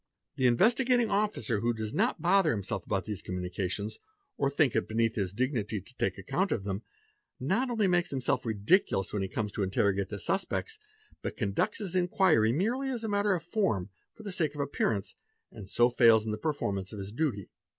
The Investigating Officer who does not bother — himself about these communications, or thinks it beneath his dignity to take account of them, not only makes himself ridiculous when he comes to interrogate the suspects but conducts his inquiry merely as a matter of form, for the sake of appearances, and so fails in the performance of — his duty.